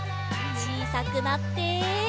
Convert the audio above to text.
ちいさくなって。